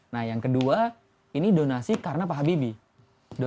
nah yang kedua ini donasi karena pak habibie